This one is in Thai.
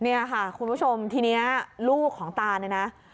เนี่ยค่ะคุณผู้ชมทีนี้ลูกของตาเนี่ยนะ